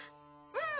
うん。